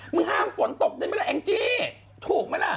มึงห้ามฝันตกได้ไหมวะแอ็งตี้ถูกมั้ยล่ะ